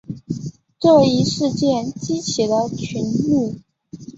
这一事件激起了众怒。